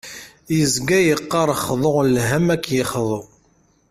Yezga yeqqar xḍu lhem ad k-yexḍu.